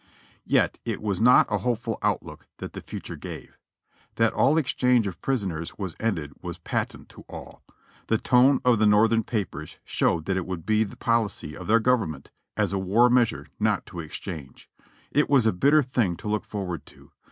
Yet it was not a hopeful outlook that the future gave. That all exchange of prisoners was ended was patent to all. The tone of the Xortheni papers showed that it would be the policy of their Government, as a war measure, not to exchange. It was a bitter thing to look forward to.